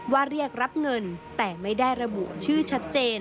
เรียกรับเงินแต่ไม่ได้ระบุชื่อชัดเจน